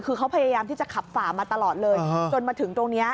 คือเขาพยายามที่จะขับฝ่ามาตลอดเลยจนมาถึงตรงนี้